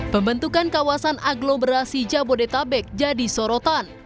pembentukan kawasan aglomerasi jabodetabek jadi sorotan